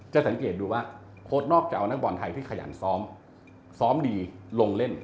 อยู่เจ้งเกย์ในแบบแข่งถัน๑๐๐๐ทีเลย